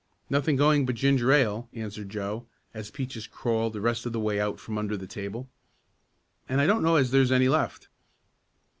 "Nothing going but ginger ale," answered Joe, as Peaches crawled the rest of the way out from under the table. "And I don't know as there's any left."